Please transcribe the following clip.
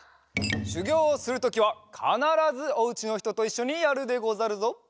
しゅぎょうをするときはかならずおうちのひとといっしょにやるでござるぞ。